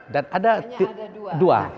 dan ada dua